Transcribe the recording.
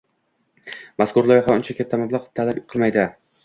mazkur loyiha uncha katta mablag‘ talab qilmaydi.